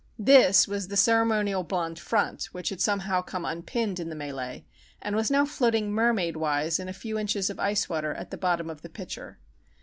"This" was the ceremonial blond front, which had somehow come unpinned in the mêlée, and was now floating mermaid wise in a few inches of ice water at the bottom of the pitcher.